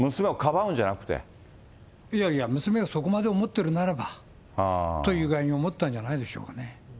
いやいや、娘をそこまで思ってるならば、という具合に思ったんじゃないでしょうかね。